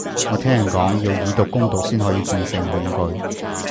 我聽人講，要以毒攻毒先可以戰勝恐懼